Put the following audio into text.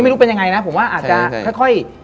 ไม่รู้เป็นยังไงผมว่าค่อย